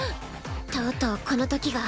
とうとうこのときが。